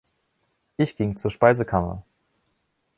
Ich ging zur Speisekammer.